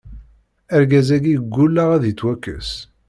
Argaz-agi ggulleɣ ar d ittwakkes.